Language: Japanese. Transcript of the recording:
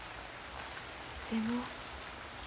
でも。